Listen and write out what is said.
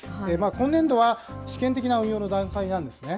今年度は、試験的な運用の段階なんですね。